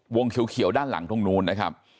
เขียวด้านหลังตรงนู้นนะครับ